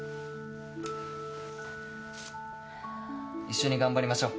一緒に頑張りましょ。